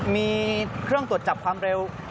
มีเครื่องตรวจจับความเร็ว